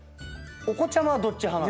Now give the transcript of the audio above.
お子ちゃまはどっち派？